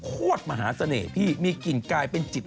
โคตรมหาเสน่ห์พี่มีกลิ่นกลายเป็นจิต